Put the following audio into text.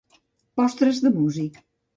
Postres de músic.